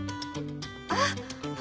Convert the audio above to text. あっ。